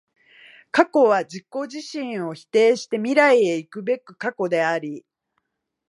過去は自己自身を否定して未来へ行くべく過去であり、